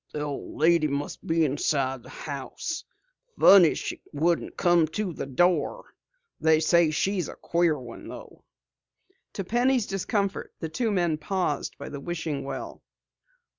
"The old lady must be inside the house. Funny she wouldn't come to the door. They say she's a queer one though." To Penny's discomfort, the two men paused by the wishing well.